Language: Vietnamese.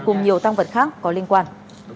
cùng nhiều tăng vật khác có liên quan